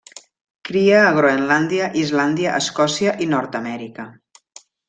Cria a Groenlàndia, Islàndia, Escòcia i Nord-amèrica.